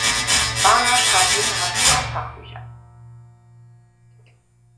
Barner schreibt Literatur und Fachbücher.